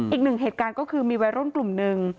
อีกหนึ่งเหตุการณ์ก็คือมีวัยรุ่นกลุ่มหนึ่ง